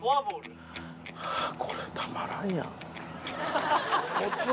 これたまらんやん。